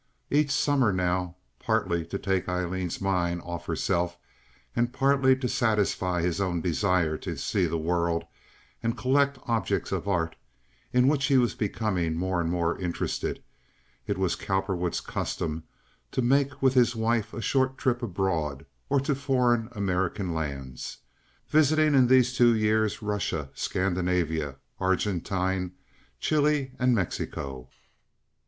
Each summer now, partly to take Aileen's mind off herself and partly to satisfy his own desire to see the world and collect objects of art, in which he was becoming more and more interested, it was Cowperwood's custom to make with his wife a short trip abroad or to foreign American lands, visiting in these two years Russia, Scandinavia, Argentine, Chili, and Mexico.